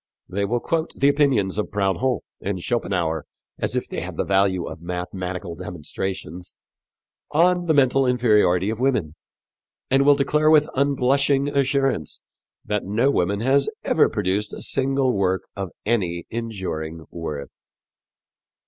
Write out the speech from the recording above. They will quote the opinions of Proudhon and Schopenhauer as if they had the value of mathematical demonstrations on the mental inferiority of women, and will declare with unblushing assurance that no woman has ever produced a single work of any kind of enduring worth.